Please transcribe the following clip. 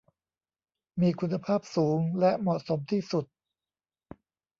มีคุณภาพสูงและเหมาะสมที่สุด